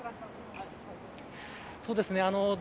そうですね。